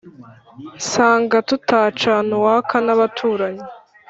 nsanga tutacana uwaka n'abaturanyi